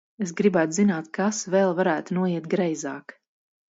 Es gribētu zināt, kas vēl varētu noiet greizāk!